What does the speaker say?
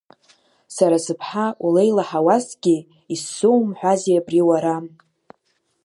Сара сыԥҳа улеилаҳауазҭгьы, изсоумҳәази абри уара?